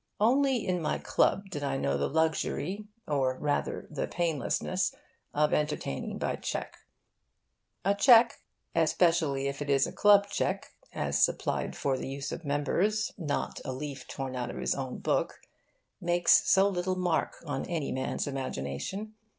Only in my club did I know the luxury, or rather the painlessness, of entertaining by cheque. A cheque especially if it is a club cheque, as supplied for the use of members, not a leaf torn out of his own book makes so little mark on any man' s imagination.